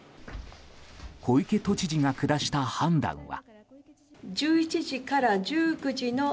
小池都知事が下した判断は。